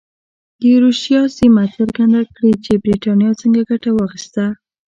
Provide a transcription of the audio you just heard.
د ایروشیا سیمه څرګنده کړي چې برېټانیا څنګه ګټه واخیسته.